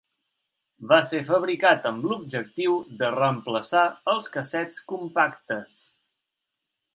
Va ser fabricat amb l'objectiu de reemplaçar els cassets compactes.